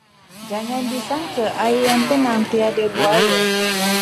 Jangan disangka air yang tenang tiada buaya.